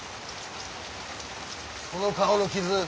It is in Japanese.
その顔の傷